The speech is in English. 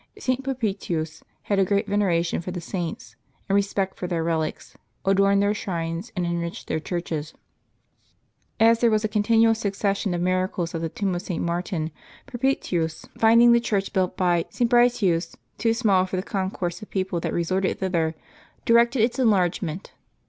St. Perpetuus had a great veneration for the Saints, and respect for their relics, adorned their shrines, and enriched their churches. As there was a continual succession of miracles at the tomb of St. Martin, Perpetuus finding the 140 LIVES OF THE SAINTS [Apbil 9 church built by St. Bricius too small for the concourse of people that resorted thither, directed its enlargement.